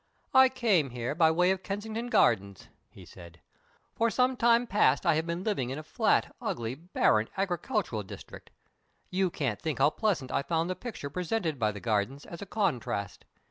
"I came here by way of Kensington Gardens," he said. "For some time past I have been living in a flat, ugly, barren, agricultural district. You can't think how pleasant I found the picture presented by the Gardens, as a contrast.